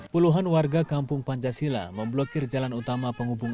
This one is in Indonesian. puluhan warga kampung pancasila memblokir jalan utama penghubung